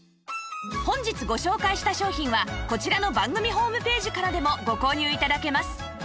本日ご紹介した商品はこちらの番組ホームページからでもご購入頂けます